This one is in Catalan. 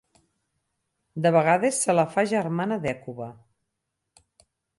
De vegades se la fa germana d'Hècuba.